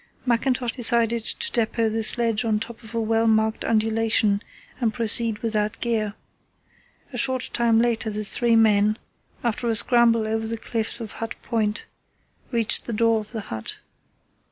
Mackintosh decided to depot the sledge on top of a well marked undulation and proceed without gear. A short time later the three men, after a scramble over the cliffs of Hut Point, reached the door of the hut.